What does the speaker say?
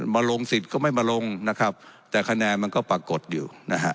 มาลงสิทธิ์ก็ไม่มาลงนะครับแต่คะแนนมันก็ปรากฏอยู่นะฮะ